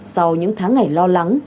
sau những tháng ngày lo lắng